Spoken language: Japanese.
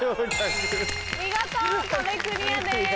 見事壁クリアです。